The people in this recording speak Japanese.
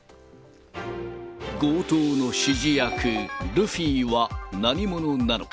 強盗の指示役、ルフィは何者なのか。